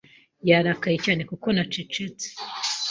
Yarakaye cyane kuko nacecetse.